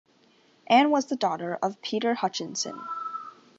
Anne was the daughter of Peter Hutchinson.